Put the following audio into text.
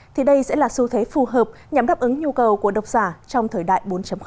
thì đây sẽ là xu thế phù hợp nhằm đáp ứng nhu cầu của độc giả trong thời đại bốn